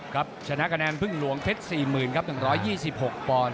ครับชนะกระแนนเพิ่งหลวงเทศ๔๐๐๐๐ครับ๑๒๖ปอนด์